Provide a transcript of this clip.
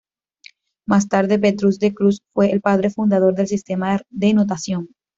Más tarde, Petrus de Cruce fue el padre fundador del sistema de notación.